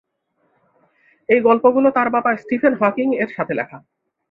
এই গল্পগুলো তার বাবা স্টিফেন হকিং এর সাথে লেখা।